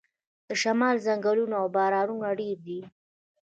د شمال ځنګلونه او بارانونه ډیر دي.